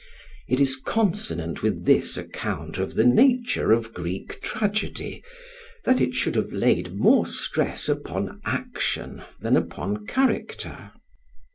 It is consonant with this account of the nature of Greek tragedy that it should have laid more stress upon action than upon character.